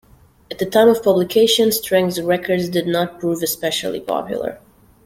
At the time of publication, Streng's records did not prove especially popular.